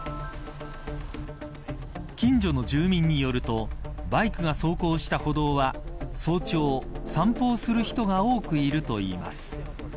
近所の住民によるとバイクが走行した歩道は早朝、散歩をする人が多くいるといいます。